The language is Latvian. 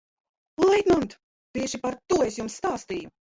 Leitnant, tieši par to es jums stāstīju.